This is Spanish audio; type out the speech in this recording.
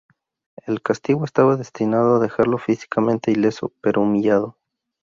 El castigo estaba destinado a dejarlo físicamente ileso, pero humillado.